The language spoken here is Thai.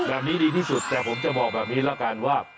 แบบนี้ดีที่สุดแต่ผมจะบอกแบบนี้แล้วกันว่า